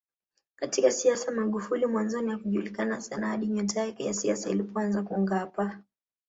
Katika siasa Magufuli mwanzoni hakujulikana sana hadi nyota yake ya isiasa ilipoanza kungaapa